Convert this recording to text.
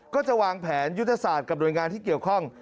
ก็จะวางแผนยุทธศาสตร์กับหน่วยงานที่เกี่ยวข้อง